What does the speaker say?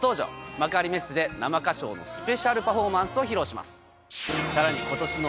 幕張メッセで生歌唱のスペシャルパフォーマンスを披露します！